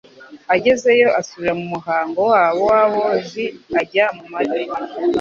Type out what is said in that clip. Agezeyo asubira mu muhango wabo w'abozi ajya mu mata